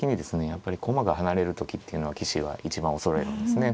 やっぱり駒が離れる時っていうのは棋士は一番恐れるんですね。